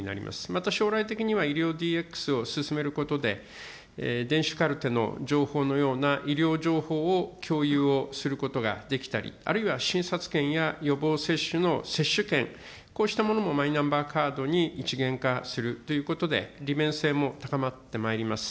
また将来的には、医療ＤＸを進めることで、電子カルテの情報のような医療情報を共有をすることができたり、あるいは診察券や予防接種の接種券、こうしたものもマイナンバーカードに一元化するということで、利便性も高まってまいります。